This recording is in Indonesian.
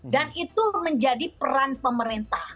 dan itu menjadi peran pemerintah